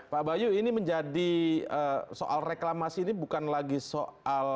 pak bayu ini menjadi soal reklamasi ini bukan lagi soal